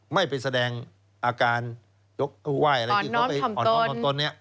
ไม่ไปแสดงอาการยกหว่ายอะไรที่เขาไปอ่อนน้อมทำตน